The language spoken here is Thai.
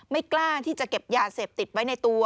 ไม่กล้าที่จะเก็บยาเสพติดไว้ในตัว